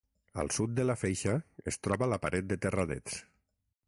Al sud de la feixa es troba la Paret de Terradets.